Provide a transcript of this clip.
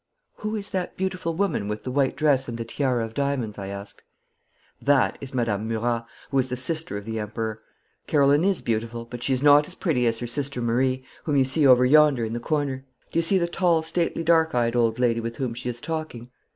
'Who is the beautiful woman with the white dress and the tiara of diamonds?' I asked. 'That is Madame Murat, who is the sister of the Emperor. Caroline is beautiful, but she is not as pretty as her sister Marie, whom you see over yonder in the corner. Do you see the tall stately dark eyed old lady with whom she is talking?